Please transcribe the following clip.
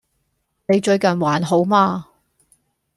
你最近還好嗎